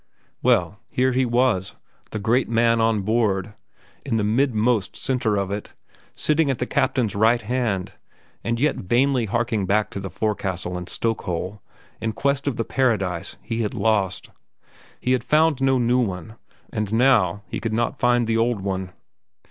Well, here he was, the great man on board, in the midmost centre of it, sitting at the captain's right hand, and yet vainly harking back to forecastle and stoke hole in quest of the Paradise he had lost. He had found no new one, and now he could not find the old one.